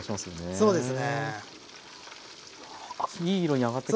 そうですね。